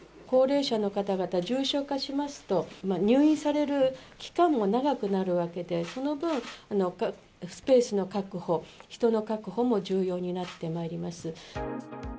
高齢者の方々、重症化しますと、入院される期間も長くなるわけで、その分、スペースの確保、人の確保も重要になってまいります。